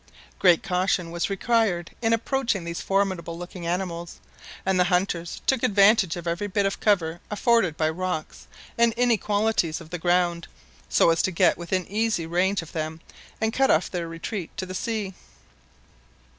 Great caution was required in approaching these formidable looking animals, and the hunters took advantage of every bit of cover afforded by rocks and inequalities of the ground, so as to get within easy range of them and cut off their retreat to the sea.